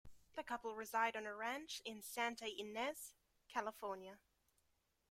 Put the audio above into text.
The couple reside on a ranch in Santa Ynez, California.